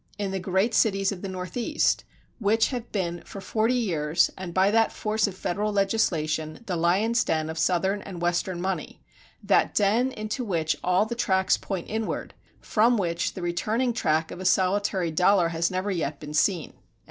In the great cities of the Northeast, which have been for forty years and that by force of federal legislation, the lion's den of Southern and Western money that den into which all the tracks point inward; from which the returning track of a solitary dollar has never yet been seen."